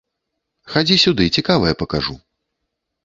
Хадзі сюды, цікавае пакажу.